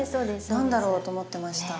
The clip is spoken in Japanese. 「何だろう？」と思ってました。